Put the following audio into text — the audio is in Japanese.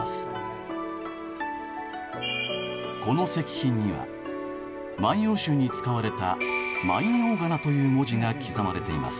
この石碑には「万葉集」に使われた万葉仮名という文字が刻まれています。